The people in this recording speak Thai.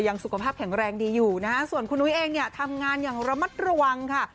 สุขภาพแข็งแรงดีอยู่นะฮะส่วนคุณนุ้ยเองเนี่ยทำงานอย่างระมัดระวังค่ะ